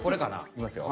いきますよ。